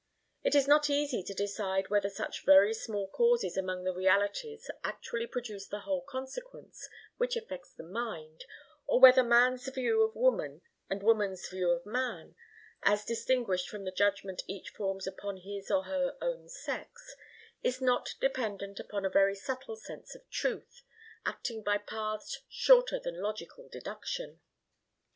It is not easy to decide whether such very small causes among the realities actually produce the whole consequence which affects the mind, or whether man's view of woman and woman's view of man, as distinguished from the judgments each forms upon his and her own sex, is not dependent upon a very subtle sense of truth, acting by paths shorter than logical deduction.